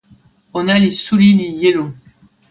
ona li suli li jelo